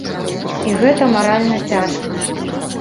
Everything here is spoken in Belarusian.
І гэта маральна цяжка.